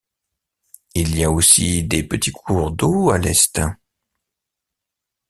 Il y a aussi des petits cours d'eau à l'est.